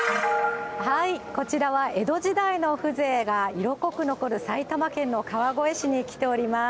こちらは江戸時代の風情が色濃く残る、埼玉県の川越市に来ております。